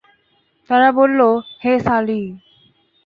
তারা বলল, হে সালিহ!